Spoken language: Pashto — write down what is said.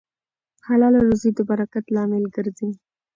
حلاله روزي د برکت لامل ګرځي.